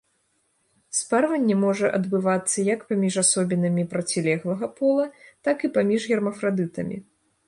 Спарванне можа адбывацца як паміж асобінамі процілеглага пола, так і паміж гермафрадытамі.